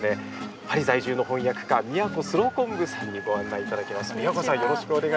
パリ在住の翻訳家都スロコンブさんにご案内いただきます。